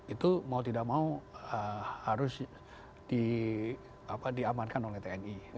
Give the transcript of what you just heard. itu mau tidak mau harus diamankan oleh tni